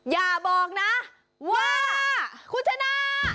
อย่าบอกนะว่าคุณชนะ